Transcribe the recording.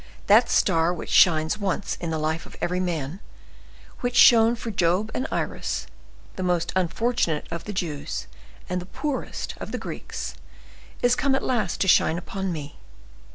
That star which shines once in the life of every man, which shone for Job and Iris, the most unfortunate of the Jews and the poorest of the Greeks, is come at last to shine on me.